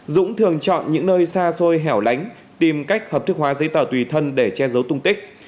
dũng thường chọn những nơi xa xôi hẻo lánh tìm cách hợp thức hóa giấy tờ tùy thân để che giấu tung tích